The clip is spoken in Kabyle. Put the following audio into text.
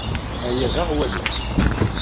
Aya d aɣwali.